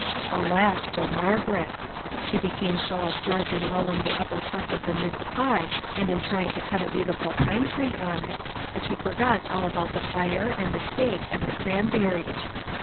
Alas! for Margaret. She became so absorbed in rolling the upper crust of the mince pie, and in trying to cut a beautiful pine tree on it, that she forgot all about the fire, and the cake, and the cranberries.